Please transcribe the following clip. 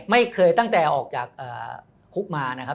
ตั้งแต่ออกจากคุกมานะครับ